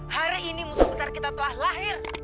hari ini musuh besar kita telah lahir